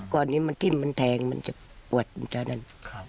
ก่อนนี้มันทิ่มมันแทงมันจะปวดจากนั้น